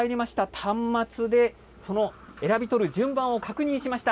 端末で選び取る順番を確認しました。